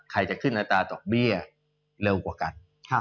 ใครจะขึ้นอัตราตกบีบีย็คเร็วกว่ากัน